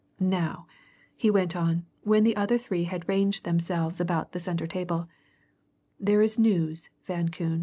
Now," he went on, when the other three had ranged themselves about the centre table, "There is news, Van Koon.